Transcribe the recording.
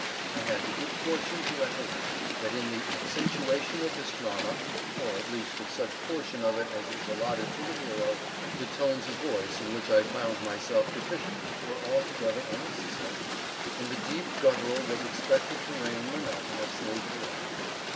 I had the good fortune to recollect that in the accentuation of this drama, or at least of such portion of it as is allotted to the hero, the tones of voice in which I found myself deficient were altogether unnecessary, and the deep guttural was expected to reign monotonously throughout.